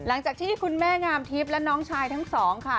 หลังจากที่คุณแม่งามทิพย์และน้องชายทั้งสองค่ะ